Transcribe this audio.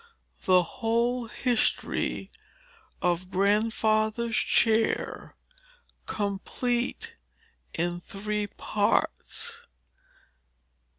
THE WHOLE HISTORY OF GRANDFATHER'S CHAIR COMPLETE IN THREE PARTS.